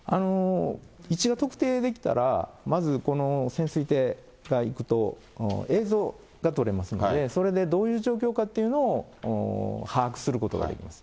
位置が特定できたら、まずこの潜水艇が行くと、映像が撮れますので、それでどういう状況かっていうのを把握することができます。